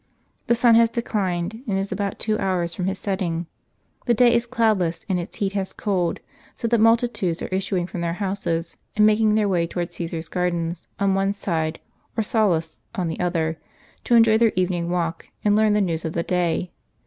The sun has declined, and is about two hours from his setting ; the day is cloudless, and its heat has cooled, so that multi tudes are ii:ssuing from their houses, and making their way towards Caasar's gardens on one side, or Sallust's on the, other, to enjoy their evening and learn the news of the day.